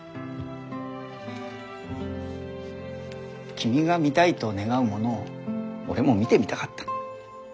君が見たいと願うものを俺も見てみたかった。